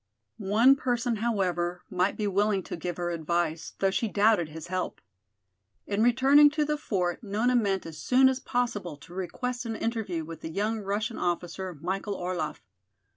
One person, however, might be willing to give her advice, though she doubted his help. In returning to the fort, Nona meant as soon as possible to request an interview with the young Russian officer, Michael Orlaff.